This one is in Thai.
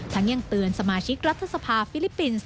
ยังเตือนสมาชิกรัฐสภาฟิลิปปินส์